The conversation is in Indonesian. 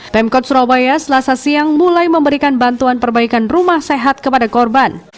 pemkot surabaya selasa siang mulai memberikan bantuan perbaikan rumah sehat kepada korban